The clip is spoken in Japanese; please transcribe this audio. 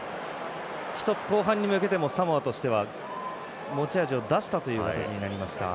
一つ後半に向けてもサモアとしては持ち味を出したという形になりました。